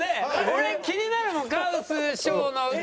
俺気になるもん。